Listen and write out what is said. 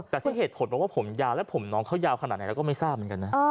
แต่ที่เหตุผลบอกว่าผมยาวและผมน้องเขายาวขนาดไหนเราก็ไม่ทราบเหมือนกันนะ